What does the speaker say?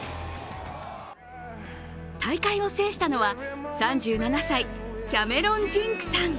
大会を制したのは３７歳、キャメロン・ジンクさん。